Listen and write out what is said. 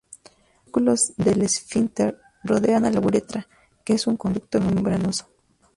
Dos músculos del esfínter rodean a la uretra, que es un conducto membranoso.